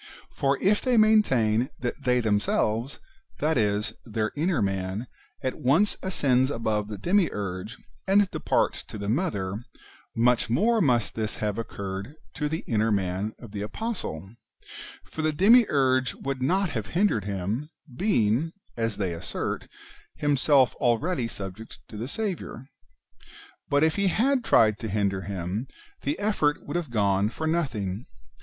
For if they maintain that they themselves, that is, their [inner] man, at once ascends above the Demiurge, and departs to the Mother, much more must this have occurred to the [inner] man of the apostle; for the Demiurge would not have hindered him, being, as they assert, himself already subject to the Saviour. But if he had tried to hinder him, the effort would have gone for nothing.